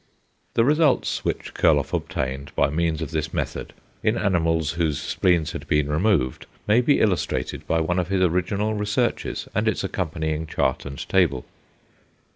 The results which Kurloff obtained by means of this method in animals whose spleens had been removed, may be illustrated by one of his original researches and its accompanying chart and table.